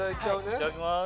いただきます！